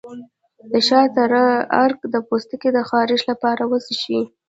د شاه تره عرق د پوستکي د خارښ لپاره وڅښئ